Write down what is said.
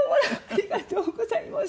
ありがとうございます！